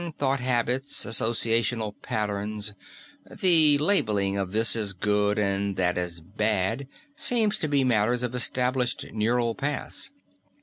Thought habits, associational patterns, the labeling of this as good and that as bad, seem to be matters of established neural paths.